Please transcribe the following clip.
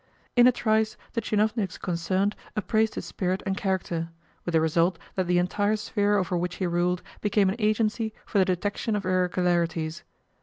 In a trice the tchinovniks concerned appraised his spirit and character; with the result that the entire sphere over which he ruled became an agency for the detection of irregularities.